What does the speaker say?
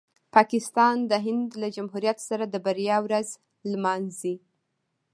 پاکستان د هند له جمهوریت سره د بریا ورځ نمانځي.